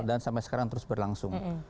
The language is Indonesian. dan sampai sekarang terus berlangsung